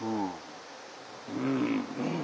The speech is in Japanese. うん。